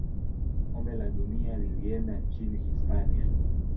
kombe la dunia lilienda nchini hispania